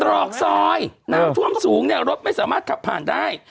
ตรอกซอยน้ำท่วมสูงเนี่ยรถไม่สามารถขับผ่านได้